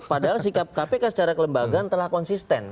padahal sikap kpk secara kelembagaan telah konsisten